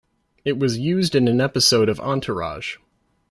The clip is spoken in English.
It was used in an episode of "Entourage".